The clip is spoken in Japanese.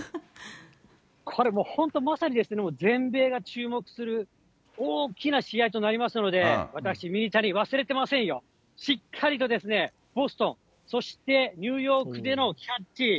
これもうまさに、全米が注目する大きな試合となりますので、私ミニタニ、忘れてませんよ、しっかりとボストン、そしてニューヨークでのキャッチ。